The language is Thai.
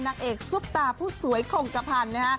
นักเอกซุปตาผู้สวยขงกะพันธ์